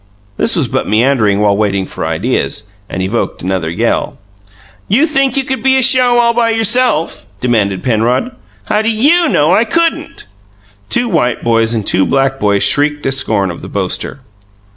This was but meandering while waiting for ideas, and evoked another yell. "You think you could be a show all by yourself?" demanded Penrod. "How do YOU know I couldn't?" Two white boys and two black boys shrieked their scorn of the boaster.